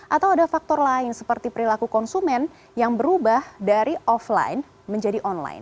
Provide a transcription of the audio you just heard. atau ada faktor lain seperti perilaku konsumen yang berubah dari offline menjadi online